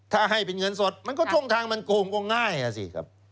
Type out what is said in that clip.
ถ้าให้เป็นเงินสดมันก็ช่องทางมันโกงก็ง่ายอ่ะสิครับ